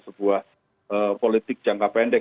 sebuah politik jangka pendek